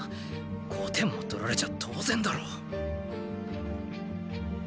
５点も取られちゃ当然だろ。